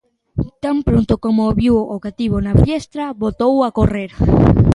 Tan pronto como o viu o cativo na fiestra, botou a correr.